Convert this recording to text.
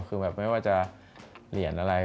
คือแบบไม่ว่าจะเหรียญอะไร